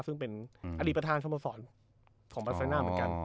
ซึ่งเป็นอดีตประธานสโมสรของบาเซน่าเหมือนกัน